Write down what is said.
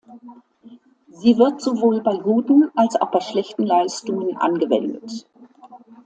Sie wird sowohl bei guten als auch bei schlechten Leistungen angewendet.